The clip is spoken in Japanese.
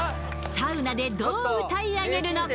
サウナでどう歌い上げるのか？